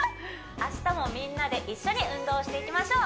明日もみんなで一緒に運動していきましょう